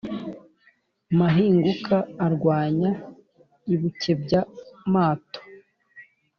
mahinguka arwanya i bukebya-mato,